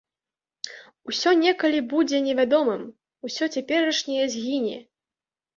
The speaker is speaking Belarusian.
Усё некалі будзе невядомым, усё цяперашняе згіне.